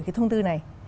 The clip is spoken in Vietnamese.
cái thông tư này